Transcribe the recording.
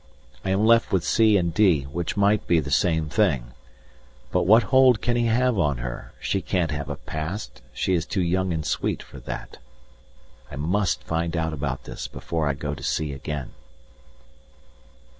I am left with (c) and (d) which might be the same thing. But what hold can he have on her; she can't have a past, she is too young and sweet for that. I must find out about this before I go to sea again.